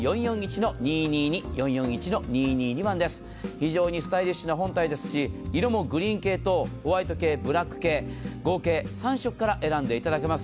非常にスタイリッシュな本体ですし、色もグリーン系、ホワイト系、ブラック系、合計３色から選んでいただけます。